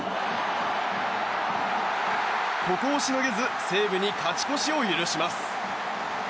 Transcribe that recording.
ここをしのげず西武に勝ち越しを許します。